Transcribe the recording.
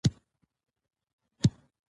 اداره د عامه چارو د سمون هڅه کوي.